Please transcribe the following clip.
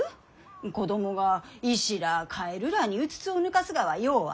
子供が石らあカエルらあにうつつを抜かすがはようあること。